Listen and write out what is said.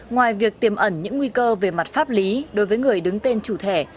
ngoài việc tiềm ẩn những nguy cơ về mặt pháp lý đối với người đứng tên chủ thẻ